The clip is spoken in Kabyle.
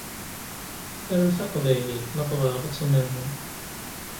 Aru taqbaylit ma tebɣiḍ ad tennerni.